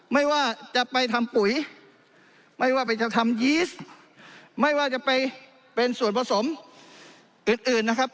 ไม่ว่าจะไปทำปุ๋ยไม่ว่าไปจะทำยีสไม่ว่าจะไปเป็นส่วนผสมอื่นอื่นนะครับ